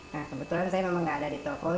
nah kebetulan saya memang nggak ada di toko